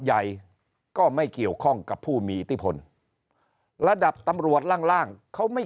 ใหญ่ก็ไม่เกี่ยวข้องกับผู้มีอิทธิพลระดับตำรวจล่างล่างเขาไม่